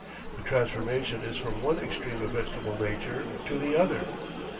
The transformation is from one extreme of vegetable nature to the other.